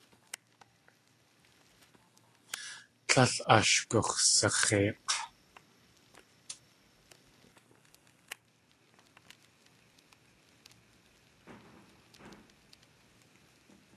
Tlél ash gux̲sax̲eik̲.